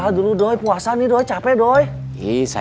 sajulurnya semestinya puasa